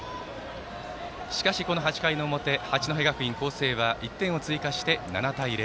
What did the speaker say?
しかしこの８回の表八戸学院光星は１点を追加して７対０。